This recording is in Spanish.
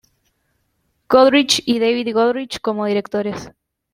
Goodrich y David Goodrich como directores.